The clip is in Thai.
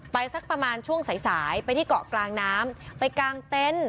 สักประมาณช่วงสายสายไปที่เกาะกลางน้ำไปกางเต็นต์